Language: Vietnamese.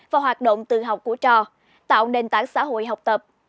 và hoạt động tự học của trò tạo nền tảng xã hội học tập